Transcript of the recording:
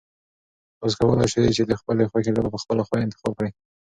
تاسو کولای شئ چې د خپلې خوښې لوبه په خپله خوښه انتخاب کړئ.